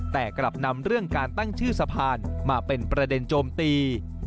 แต่กลับนำเรื่องการตั้งชื่อสะพานมาเป็นประเด็นโจมตี